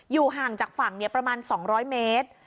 อยู่ห่างจากฝั่งเนี่ยประมาณสองร้อยเมตร